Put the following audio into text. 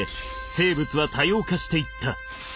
生物は多様化していった。